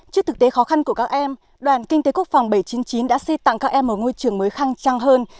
trước thực tế khó khăn của các em đoàn kinh tế quốc phòng bảy trăm chín mươi chín đã xây tặng các em ở ngôi trường mới khăng trang hơn